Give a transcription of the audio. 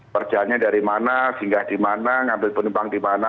perjalanannya dari mana singgah di mana ngambil penumpang di mana